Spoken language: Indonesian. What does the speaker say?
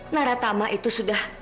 nara tama itu sudah